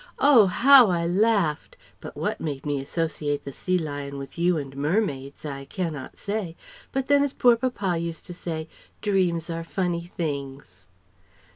Oh, how I laughed! But what made me associate the sea lion with you and mermaids, I cannot say, but then as poor papa used to say, 'Dreams are funny things'..."